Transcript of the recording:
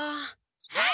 はい！